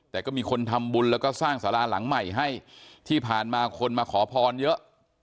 แต่ก็มีคนทำบุญแล้วก็สร้างสาราหลังใหม่ให้ที่ผ่านมาคนมาขอพรเยอะ